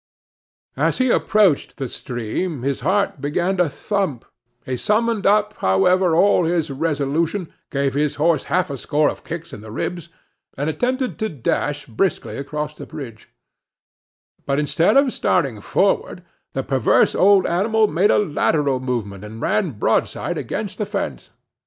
As he approached the stream, his heart began to thump; he summoned up, however, all his resolution, gave his horse half a score of kicks in the ribs, and attempted to dash briskly across the bridge; but instead of starting forward, the perverse old animal made a lateral movement, and ran broadside against the fence.